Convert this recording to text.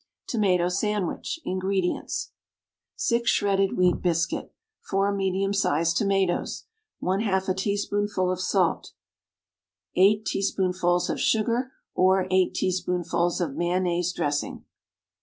=Tomato Sandwich.= INGREDIENTS. 6 shredded wheat biscuit. 4 medium sized tomatoes. 1/2 a teaspoonful of salt. 8 teaspoonfuls of sugar, or 8 teaspoonfuls of mayonnaise dressing.